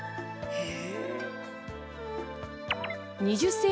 へえ。